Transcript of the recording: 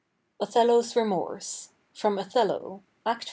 OTHELLO'S REMORSE. FROM "OTHELLO," ACT V.